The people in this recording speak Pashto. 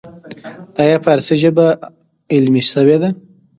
آیا فارسي ژبه علمي شوې نه ده؟